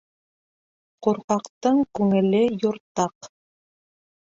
Ҡурҡаҡтың күңеле юртаҡ.